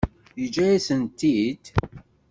Yeǧǧa-yasent-t-id?